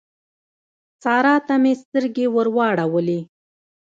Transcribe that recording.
سارا ته مې سترګې ور واړولې.